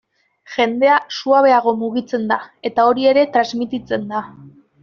Jendea suabeago mugitzen da eta hori ere transmititzen da.